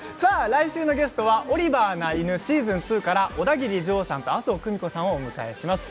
来週のゲストは「オリバーな犬」シーズン２からオダギリジョーさんと麻生久美子さんをお迎えします。